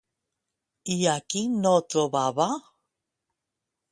I a qui no trobava?